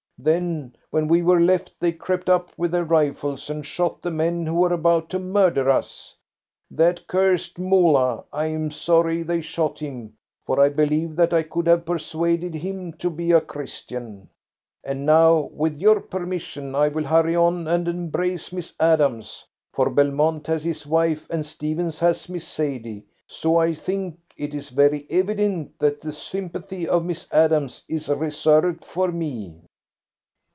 Then, when we were left, they crept up with their rifles and shot the men who were about to murder us. That cursed Moolah, I am sorry they shot him, for I believe that I could have persuaded him to be a Christian. And now, with your permission, I will hurry on and embrace Miss Adams, for Belmont has his wife, and Stephens has Miss Sadie, so I think it is very evident that the sympathy of Miss Adams is reserved for me."